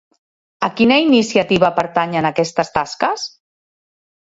A quina iniciativa pertanyen aquestes tasques?